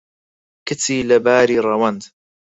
کچی لەباری ڕەوەند